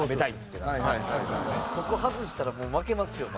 ここ外したらもう負けます